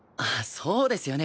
そうですよね。